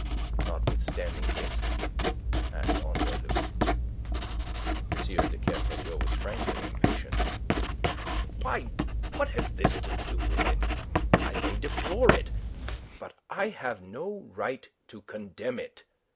"Notwithstanding this?" asked Andre Louis. M. de Kercadiou was frankly impatient. "Why, what has this to do with it? I may deplore it. But I have no right to condemn it.